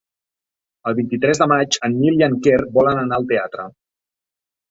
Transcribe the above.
El vint-i-tres de maig en Nil i en Quer volen anar al teatre.